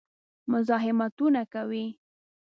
مزاحمتونه کوي.